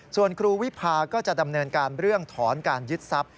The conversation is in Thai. ส่วนครูวิพาก็จะดำเนินการเรื่องถอนการยึดทรัพย